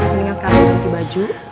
mendingan sekarang ganti baju